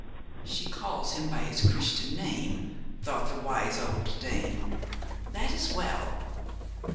"She calls him by his Christian name," thought the wise old dame, "that is well.